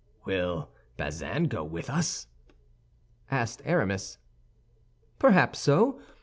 "Will Bazin go with us?" asked Aramis. "Perhaps so.